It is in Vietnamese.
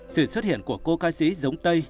sự xuất hiện của cô ca sĩ giống tây